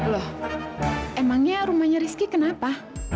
loh emangnya rumahnya rizky kenapa